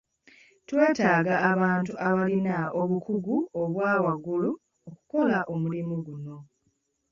Twetaaga abantu abalina obukugu obwa waggulu okukola omulimu guno.